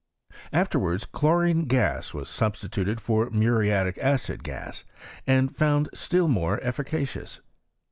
Afterwards chlorine gaa was substituted for mviriatic acid gas, and found still more efficacious.